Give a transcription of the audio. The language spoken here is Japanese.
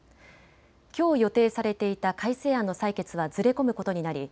きょう予定されていた改正案の採決はずれ込むことになり